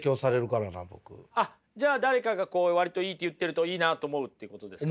あっじゃあ誰かがこう割といいと言ってるといいなと思うってことですかね。